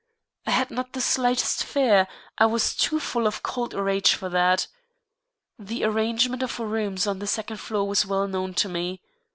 I had not the slightest fear, I was too full of cold rage for that. The arrangement of rooms on the second floor was well known to me.